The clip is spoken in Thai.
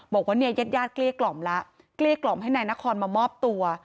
บอกว่าเนี่ยญาติญาติเกลี้ยกล่อมแล้วเกลี้ยกล่อมให้นายนครมามอบตัว